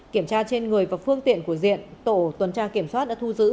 kiểm tra trên người và phương tiện của diện tổ tuần tra kiểm soát đã thu giữ